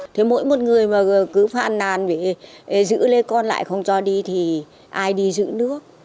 thế mỗi một người mà cứ phàn nàn giữ lấy con lại không cho đi thì ai đi giữ nước